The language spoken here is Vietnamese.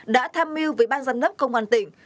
đã tham mưu với ban giám đốc công an tỉnh